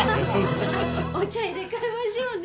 お茶入れ替えましょうね。